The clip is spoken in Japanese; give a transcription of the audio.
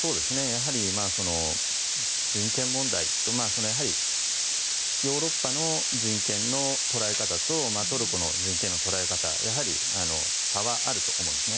やはり人権問題とヨーロッパの人権の捉え方とトルコの人権の捉え方はやはり差はあると思うんです。